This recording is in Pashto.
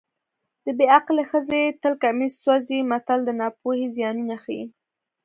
د بې عقلې ښځې تل کمیس سوځي متل د ناپوهۍ زیانونه ښيي